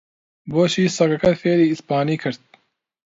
بۆچی سەگەکەت فێری ئیسپانی کرد؟